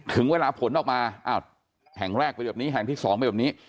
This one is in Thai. ถึงเวลาผลออกมาอ้าวแห่งแรกเป็นแบบนี้แห่งที่๒เป็นแบบนี้